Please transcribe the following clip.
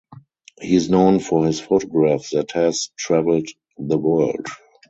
He is known for his photograph that has traveled the world.